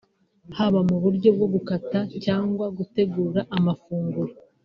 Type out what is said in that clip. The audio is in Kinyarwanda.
haba mu buryo bwo gutaka cyangwa gutegura amafunguro